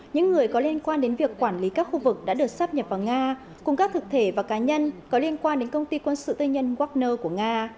những người có liên quan đến việc quản lý các khu vực đã được sắp nhập vào nga cùng các thực thể và cá nhân có liên quan đến công ty quân sự tư nhân wagner của nga